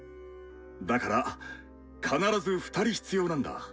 だから必ず「２人」必要なんだ。